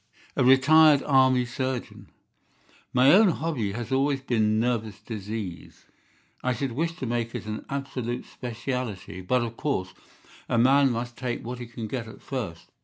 "A retired Army surgeon." "My own hobby has always been nervous disease. I should wish to make it an absolute specialty, but, of course, a man must take what he can get at first.